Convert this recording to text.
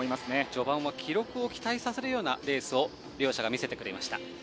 序盤は記録を期待させるようなレースを両者が見せました。